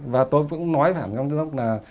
và tôi vẫn nói với hạ bút ký là